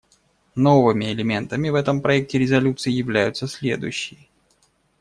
Новыми элементами в этом проекте резолюции являются следующие.